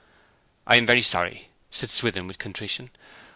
'I am very sorry,' said Swithin, with contrition.